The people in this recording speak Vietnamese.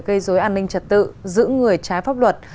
gây dối an ninh trật tự giữ người trái pháp luật